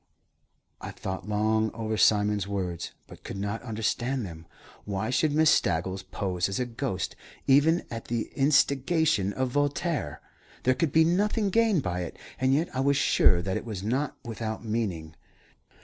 I thought long over Simon's words, but could not understand them. Why should Miss Staggles pose as a ghost, even at the instigation of Voltaire? There could be nothing gained by it, and yet I was sure that it was not without meaning.